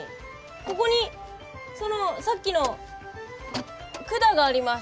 ここにさっきの管があります。